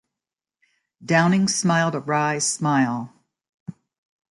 Downing smiled a wry smile.